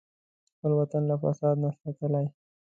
خپل وطن له فساد نه ساتلی.